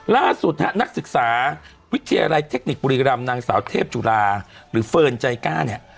ล่าสุดฮะนักศึกษาวิทยาลัยเทคนิคบุรีรำนางสาวเทพจุฬาหรือเฟิร์นใจกล้าเนี่ย